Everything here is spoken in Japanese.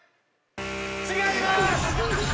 違います！